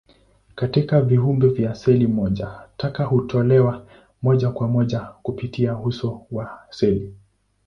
Katika viumbe vya seli moja, taka hutolewa moja kwa moja kupitia uso wa seli.